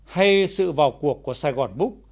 hay sự vào cuộc của sài gòn búc